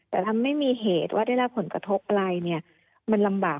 แต่ถ้าไม่มีเหตุว่าได้รับผลกระทบอะไรเนี่ยมันลำบาก